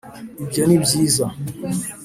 ibyo ni byiza.